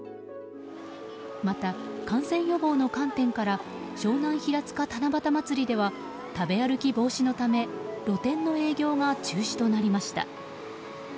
また、感染予防の観点から湘南ひらつか七夕まつりでは食べ歩き防止のため露店の営業が中止となりました。